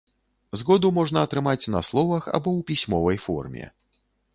Згоду можна атрымаць на словах або ў пісьмовай форме.